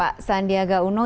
pak sandiwada gauno